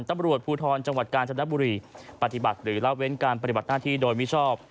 ตำรวจภูทรจังหวัดกาญจนบุรีปฏิบัติหรือเล่าเว้นการปฏิบัติหน้าที่โดยมิชอบ